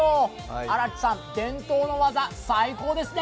荒木さん、伝統の技、最高ですね。